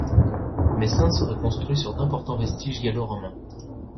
Messein serait construit sur d'importants vestiges gallo-romains.